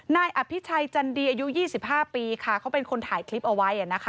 นายอภิชัยจันดีอายุ๒๕ปีค่ะเขาเป็นคนถ่ายคลิปเอาไว้